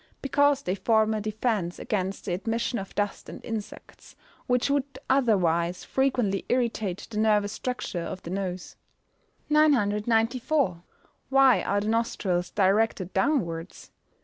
_ Because they form a defence against the admission of dust and insects, which would otherwise frequently irritate the nervous structure of the nose. 994. _Why are the nostrils directed downwards?